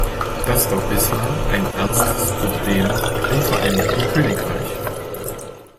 Das war bislang ein ernstes Problem im Vereinigten Königreich.